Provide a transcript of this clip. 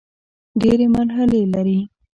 ډېري مرحلې لري .